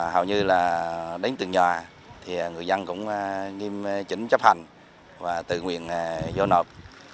hầu như đến từ nhà người dân cũng nghiêm chính chấp hành và tự nguyện vô nộp